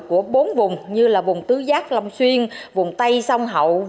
của bốn tỉnh